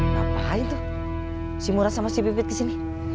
ngapain tuh si muras sama si pipit kesini